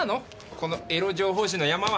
このエロ情報誌の山は？